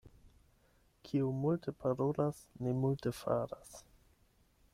Kiu multe parolas, ne multe faras.